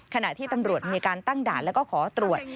ขณะที่ตำรวจมีการตั้งด่านแล้วก็ขอตรวจ